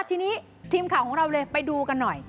ทีนี้ทีมข่าวของเราเลยไปดูกันหน่อย